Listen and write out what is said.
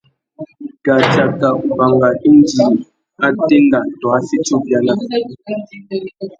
Kā tsaka ubanga indi a téndá tô a fiti ubiana.